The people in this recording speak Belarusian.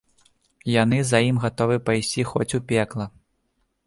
Яны за ім гатовы пайсці хоць у пекла.